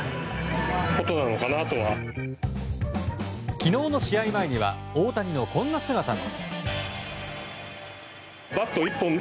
昨日の試合前には大谷のこんな姿も。